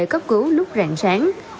cấp cứu lúc rạng sáng